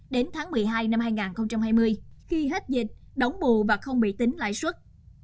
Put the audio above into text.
đến tháng một mươi hai năm hai nghìn hai mươi khi hết dịch đóng bù và không bị tính lãi suất